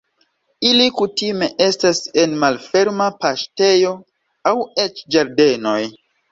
Ili kutime estas en malferma paŝtejo aŭ eĉ ĝardenoj.